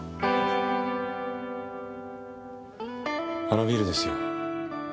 あのビルですよ。